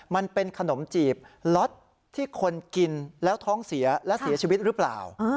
มันเป็นขนมจีบล็อตที่คนกินแล้วท้องเสียและเสียชีวิตหรือเปล่า